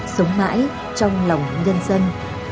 sống mãi trong lòng nhân dân